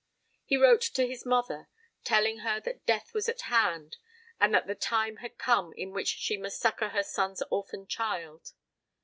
He wrote to his mother, telling her that death was at hand, and that the time had come in which she must succour her son's orphan child.